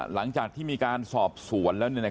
หลังจากที่มีการสอบสวนแล้ว